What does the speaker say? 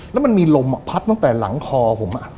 แล้วมันมีลมพัดตั้งแต่หลังคอผม